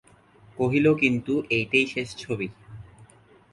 কহিল, কিন্তু এইটেই শেষ ছবি।